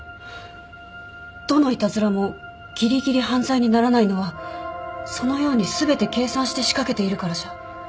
どのいたずらもギリギリ犯罪にならないのはそのように全て計算して仕掛けているからじゃ。